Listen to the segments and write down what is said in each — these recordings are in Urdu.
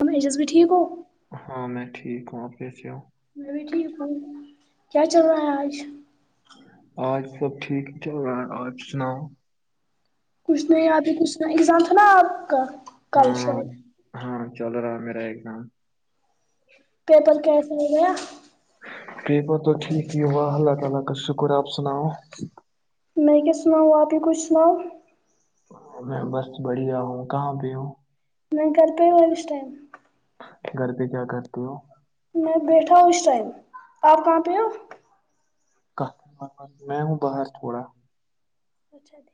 ہم ایجز بھی ٹھیک ہو ہاں میں ٹھیک ہوں آپ کیس ہووں میں بھی ٹھیک ہوں کیا چل رہا ہے آج آج سب ٹھیک چ رہا آج سناؤ کچھ نہیں آپھی کچھ ایزام تھا نا آپ کا کل ہاں شاید ہاں چل رہا ہے میرا ایگزام پیپر کیس ہو گیا پ ب تو ٹھیک ہی ہوا اللہ تعالی کا شکر آپ سناؤ میں کیا سناؤ آاپ ہی کچھ سناؤ میں بس بڑھیا ہوں کہاں پہ ہوں میں گل پ ہی ہو اسس ٹائم گھر پہ کیا کرتے ہو میں بیٹھا ہوں اس ٹائم آپ کہاں پہ ہو میں ہوں باہر تھوڑا پوچ د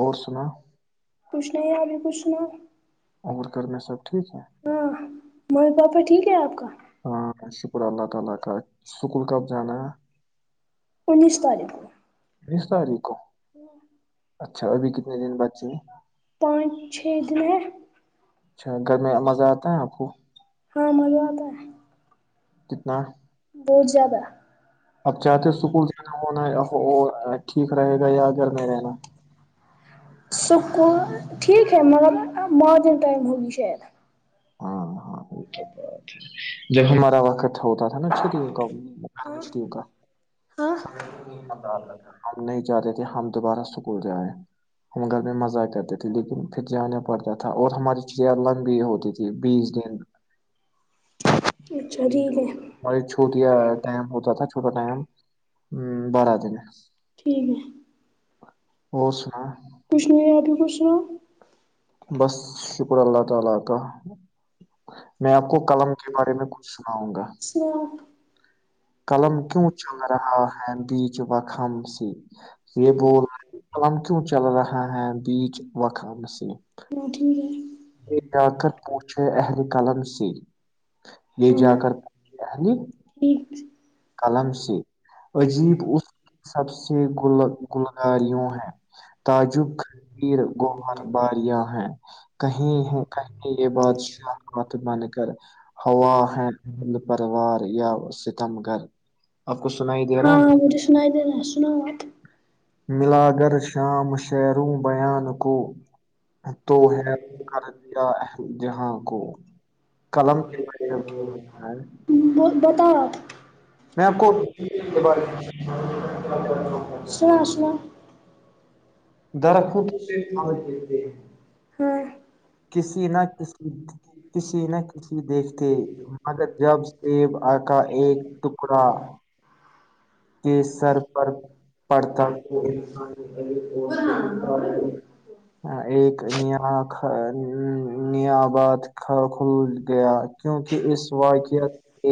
اور سنا پوچھنا یا ا بھی پوچھنا اور کر میں سب ٹھیک ہے ہاں ممی پاپا ٹھیک ہے آپ کا ہاں شکر اللہ تعالی کا سکول کب جانا ہے انیس تاریخ بیس تاریخ کو اچھا ابھی کتنے دن بچ چ ہیں پانچ چھ دن اچھا گھر میں مزہ آتا ہے آپ کو ہاں مزا آتا ہے کتنا بہت زیادہ اپ چاہتے ہو سکول جانا ہونا ٹھیک رہے گا یا گھر میں رہنا سکول ٹھیک ہے مطلب مارننگ ٹائم ہوگی شاید ہاں ہاں وہ تو بہت ہے جب ہمارا وقت تھا ہوتا تھا نا چھٹیوں کا چھٹیوں کا ہ [unintelligible] ہم نہیں جا رہے تھے ہم دوبارہ سکول ج آئے ہم گھر میں مزہ کرتے تھے لیکن پھر جانا پڑتا تھا اور ہماری چڑیا لمبی ہوتی تھی بیس دن اچھا ٹھیک ہے اور چھوٹیا ٹم ہوتا تھا چھوٹا ٹائم ہوں بارہ دن ٹھیک ہے اور سنا [unintelligible] کچھ نہیں ہے آپ ہی کچھ سنا [unintelligible] [unintelligible] میں آپ کو قلم کے بارے میں کچھ سناؤں گا [unintelligible] ہ [unintelligible] قلم کیوں چل رہا ہے بیچ بکھم س [unintelligible] یہ بول رہ ہم کیوں چل رہا ہے بیچ و خان سے [unintelligible] ہاں ٹھیک ہے ل جا کر پوچھے اہل قلم سے [unintelligible] یہ جا کر [unintelligible] ٹھیک [unintelligible] قلم سے عجیب اس سب سے گ گلگاری وں ہے [unintelligible] تعجب ویر گوہر باریاں ہیں کہیں کہیں یہ بات شاہات بن کر ہوا ہےند پروار یا ستم گھر آپ کو سنائی دے رہا ہے ہاں وہ تو سنائی دینا سنا ہو [unintelligible] ملا کر شام شروں بیان کو [unintelligible] تو ہےیا جہاں کو [unintelligible] کلم [unintelligible] ب بتاؤ میں آپ کو کے بارے [unintelligible] سناو سناو میں درا ک درخت شریف پھل متے [unintelligible] کسی نہ کسی کسی نہ کسی دیکھتے [unintelligible] مگر جب سےیب آ کا ایک ٹکڑا [unintelligible] کے سر پر پڑتا [unintelligible] [unintelligible] [unintelligible] ایک نیاباد کھل گیا [unintelligible] کیونکہ اس واقعت پ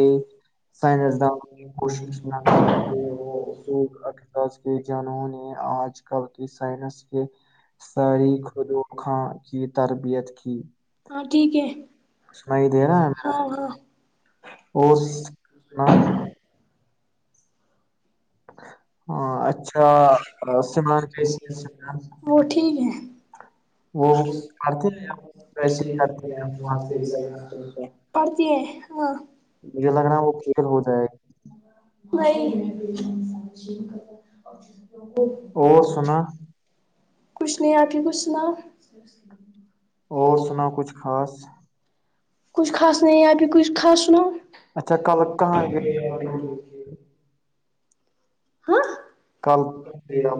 سائنس دان کوشش نہ کر [unintelligible] ل اس کے جانوں نے آج ک سائنس [unintelligible] [unintelligible] ساری خودوخاں کی تربیت کی ہاں ٹھیک ہے سنائی دے رہا ہے ہمیں؟ ہاں ہاں [unintelligible] اور ہ [unintelligible] ہاں اچھا سمران کیسی ہے سمان [unintelligible] وہ ٹھیک ہے [unintelligible] وہ کرتے ہیں ویسے وسے ہی کرتے ہیں [unintelligible] پڑھتیے ہاں مجھے لگ رہا ہے وہ کلیئر ہو جائے گا [unintelligible] نہیں [unintelligible] ب اور سنا [unintelligible] کچھ نہیں آپھی کچھ سناؤ [unintelligible] اس [unintelligible] اور سنا کچھ خاص [unintelligible] کچھ خا نہیں آپ کچھ خا سنا اچھا کل کہاں گئے ہاں کل آپ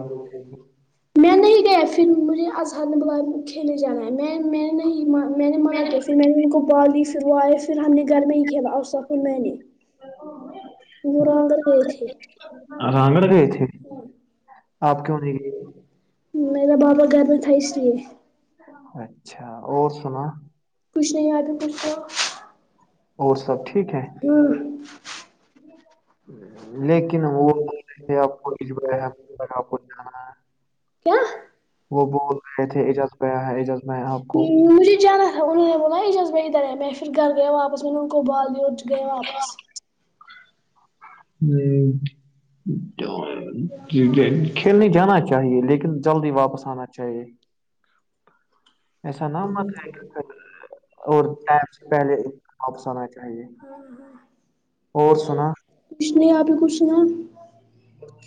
میں نہیں گیا پھر مجھے اظہر نے بلا کھیلنے جانا ہے میں میں نہیں میں نے منع کیا پھر میں نے ان کو بال لی پھر وہ آئے پھر ہم نے گھر میں ہی کھیلا ا سافول میں نے او وہ رنگ گئے تھے رانگڑ گئے تھے آپ کیوں نہیں گئے میرا بابا گھر میں تھا اس لیے اچھا اور سنا کچھ نہیں یاد ہے کھ اور تو ہ ہ لیکن وہ جانا کیا وہ بہت گئے تھے اجاز گیا ہے ایجاز میں ہے آپ کو ا انوں نے ب ن یہ ججس میں ادھر آ م میں پھر گییا واپ میں نے ان کو بالی اور ج گییا واپس ہ ج کھیلنے جانا چاہیے لیکن جلدی واپس آنا چاہیے ایسا نہ مت ہے اور ٹپ سے پہلے واپس آنا چاہیے ہاں ہاں اور سنا کچھ نہیں آپ بھی کچھ نا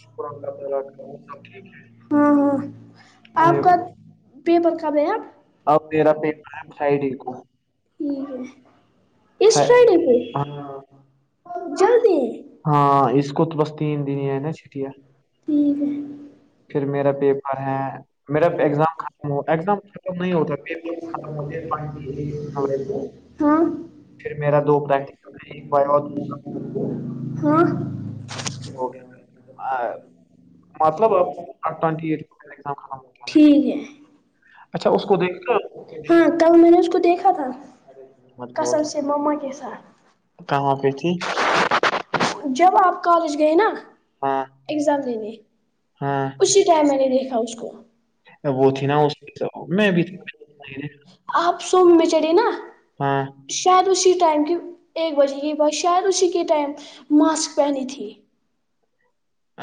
شکر اللہ ہاں ہاں [unintelligible] آپ تعالیٰ کا پیپر کب ہے آپ کا، اب میرا پیپر ٹھیک ہے فرائیڈے کو نسٹ فر- فرائیڈے پ جلدی ہاں اس کو تو بس تین دن ہی ہے نا چھٹیا ٹھیک ہے پھر میرا پیپر ہے میرا ایگزام ختم ہو ایگزام ختم نہیں ہوتا پیپر م جو ہاں پھر میرا دو بٹ ب ہاں ا آ مطلب ٹھیک ہے اچھا اس کو دیکھ لو ہاں کل میں نے اس کو دیکھا تھا مت بول کسم سےمم مکس کہاں پہ تھی جب آپ کالج گئے نا ہاں ایگزام لینے ہاں اسی ٹائم میں نے دیکھا اس کو ا وہوتھی نا اس میں بھی تھی آپ سوم میں چڑھی نا ہاں شاید اسی ٹائم کی ایک بجے کی بعس شاید اسی کے ٹائم ماسک پہنی تھی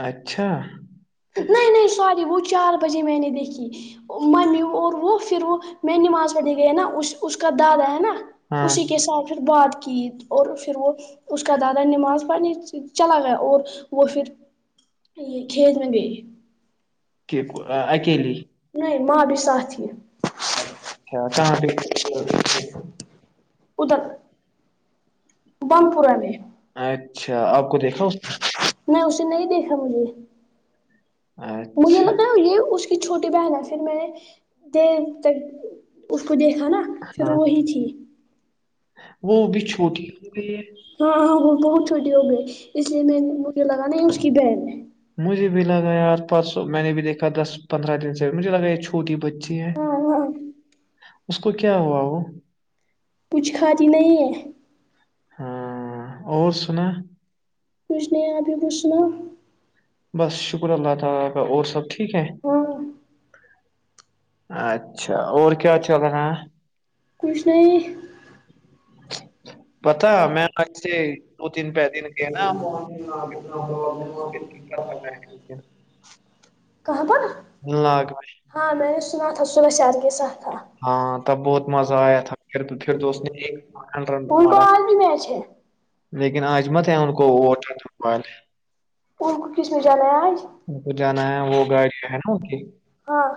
اچھا نہیں نہیں ساری وہ چار بجے میں نے دیکھی ممی اور وہ پھر وہ میں نماز پڑھی گئی نا اس کا دادا ہے نا ہاں اسی کے ساتھ پھر بات کیت اور پھر وہ اس کا دادا نماز پڑھنے چلا گیا اور وہ پھر یہ کھیز م بھی کہ اکیلی نہیں ماں بھی سات یہ اچچھا کہاں پہ ادک بن پوراان اچھا آپ کو دیکھا میں اسے نہیں دیکھا مجھے نے؟ مجھے اچھا لگا ہے یہ اس کی چھوٹی بہن ہے پھر میں نے د تک اس کو دیکھا نا پھر ہاں وہی تھی وہ بھی چھوٹی ہو گئی ہے ہاں ہاں وہ بہت چھوٹی ہو گئی اس لیے میں مجھے لگ نہیں مش کی پہ ہے مجھے بھی لگا یار پار سو میں نے بھی دیکا دس پندرہ دن سے مجھے لگا یہ چھوٹی بچ اچ ہے ہاں ہاں اس کو کیا ہوا وہ کچھ کھای نہیں ہے ہاں اور سنا کس نے یہاں پ ہی پوچھنا بس شکر اللہ تعالی کا اور سب ٹھیک ہے ہاں اچھا اور کیا چل رہا ہے کچھ نہیں پتا میں آج سے دو تین پ دن گ نا پ کہاں پر لاگ میں ہاں میں نے سنا تھا سورش شار کے ساتھ تھا ہاں تب بہت مزہ آیا تھا پھر پھر دوست نے ڈن ان کو مارا آج بھی میچ ہے لیکن آجمت ہے ان کوے ان کو کس نے جانا ہے آج ان کو جانا ہے وہ گاڑی ہے نا اس ہاں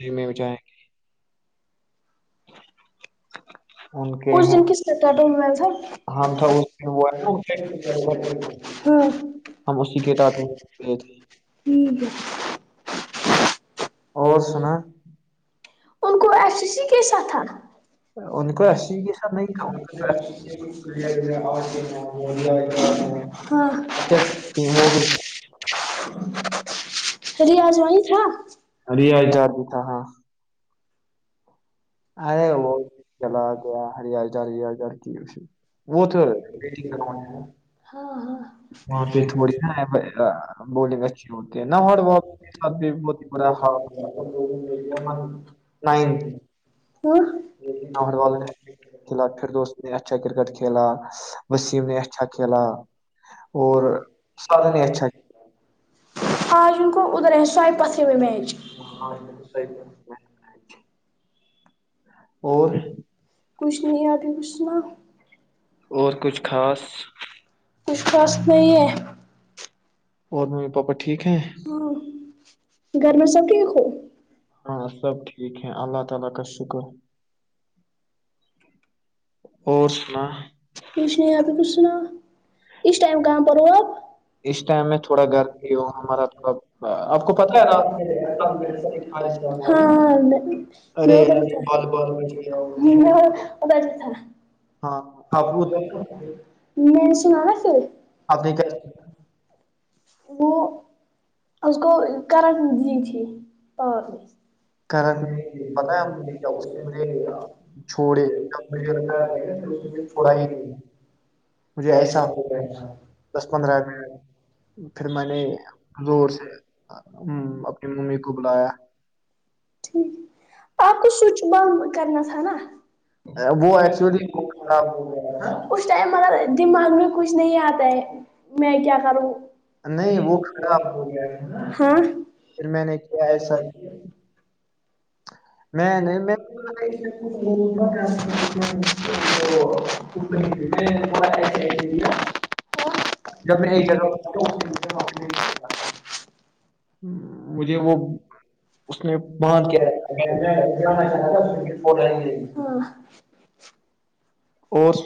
کی میں ہو جائیں گے ان کے اس ہیں دن کس طر کا ڈوم میں سر ہم تھا اس دن وہ ہے نا ان کے ہاں [unintelligible] ہم اسی کے ساتھ میں گئے تھے ٹھیک ہے اور سنا ان کو ایف سی سی کیسا تھا ان کو آسی [unintelligible] م جب ہاں وہ بھی ریاض ویں تھا ا ہاں ارے وہ چلا گیا ہر جا ہ جار کی وہ تو بیٹنگ ہاں ہاں وہاں پہ تھوڑی ن بولنگ اچھی ہوتی ہے نہا ہ ب [unintelligible] نائن وہ [unintelligible] کھی پھر دوست نے اچھا کرکٹ کھیلا وسیم نے اچھا کلا اور سھن ہی اچھاا آج ان کو ادھر ہیں سوائے پتھر ہوئے میچ اور کچھ نہیں ہے ابھی کچھ نا اور کچھ خاص وشواس نہیں ہے اور ممی پاپا ٹھیک ہیں ہاں گھر میں سب تھییک ہو [unintelligible] اور سنا کوچھ نہیں آپ ہی کچھ سنا اس ٹائم کہاں پر ہو آپ اس ٹائم میں تھوڑا گھر بھی ہوں ہمارا تھوڑا آپ کو پتہ ہے رات [unintelligible] ہاں ہاں ارے کال کال ادج سا [unintelligible] ہاں آپ کو میں نے سناا پھر آپ نے کیا [unintelligible] وہ اس کو کرنٹ دی تھی پاور نے [unintelligible] ا کرا نہیں نہیں پتا ہے اس نے مجھے کیا گا [unintelligible] چھوڑے مجھے چڑےا چوڑا ہی گ [unintelligible] مجھے ایسا ساپ رہ تھاس دس پندرہ رہ پھر میں نے زور سے اپنی ممی کو بلایا ٹھیک آپ کو سوچ بن کرنا تھا نا اے، وہ ایکچولی ایسی وہ خراب ہو گیا اس ٹائم اگر دماغ میں کچھ نہیں آتا ہے میں کیا کروں نہیں وہ کھڑا ہاں پھر میں نے کیا [unintelligible] ایسا میں [unintelligible] ب پورا کیا. [unintelligible] ج جب میں ایک جگہ [unintelligible] ہم، مجھے مے وہ اس نے باندھ کے کیا [unintelligible] پ چھوڑا [unintelligible] اور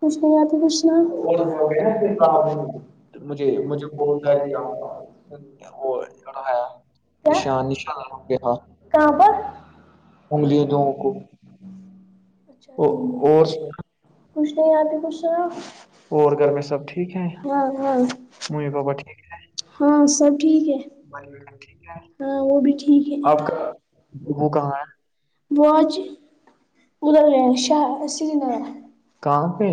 کچھ نہیں آتی کچھنا [unintelligible] مجھے مجھے بہت ساری آ وہ وہ لڑایا [unintelligible] کیا نشان نشان کے ہاتھ کہاں پر [unintelligible] انگلیوں دووں کو [unintelligible] او- اور کچھ نہیں آ پ بھی کچھ سا [unintelligible] اور گھر میں سب ٹھیک ہیں ہاں ہاں ممی پاپا ٹھیک ہے؟ [unintelligible] ہاں سب ٹھیک ہے [unintelligible] بڑ [unintelligible] ہاں وہ بھی ٹھیک ہے آپ کا وہ کہاں ہے وہج [unintelligible] ا ل ش ا جنا ہاں کہاں پہ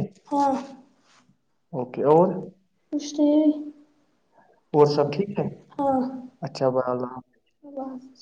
اوکے اور کوش نہیں [unintelligible] وہ سب ٹھیک ہے ہاں اچھا بھائی اللہ ح [unintelligible]